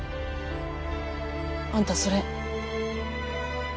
あんたそれ。